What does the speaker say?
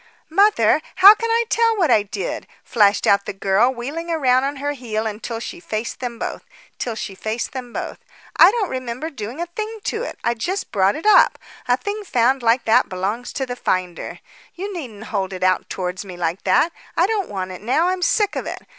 "Mother, how can I tell what I did?" flashed out the girl, wheeling round on her heel till she faced them both. "I don't remember doing a thing to it. I just brought it up. A thing found like that belongs to the finder. You needn't hold it out towards me like that. I don't want it now; I'm sick of it.